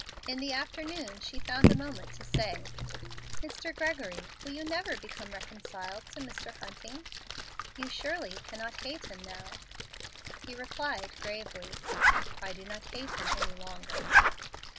In the afternoon she found a moment to say, "Mr. Gregory, will you never become reconciled to Mr. Hunting? You surely cannot hate him now?" He replied, gravely, "I do not hate him any longer.